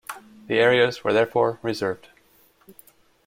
The areas were therefore reserved.